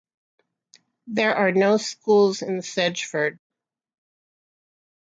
There are no schools in Sedgeford.